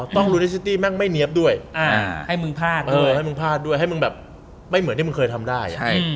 ต้องรุนิสติแม่งไม่เนี๊ยบด้วยให้มึงพลาดด้วยให้มึงแบบไม่เหมือนที่มึงเคยทำได้